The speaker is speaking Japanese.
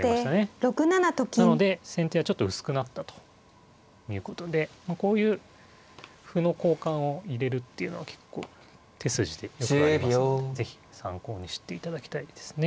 なので先手はちょっと薄くなったということでこういう歩の交換を入れるっていうのは結構手筋でよくありますので是非参考にしていただきたいですね。